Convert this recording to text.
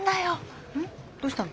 どうしたの？